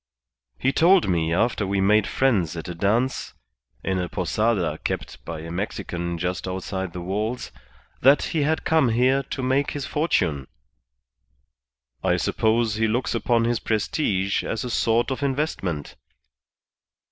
He told me after we made friends at a dance, in a Posada kept by a Mexican just outside the walls, that he had come here to make his fortune. I suppose he looks upon his prestige as a sort of investment."